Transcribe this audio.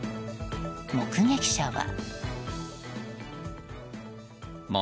目撃者は。